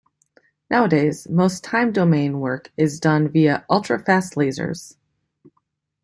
Nowadays, most time-domain work is done via ultrafast lasers.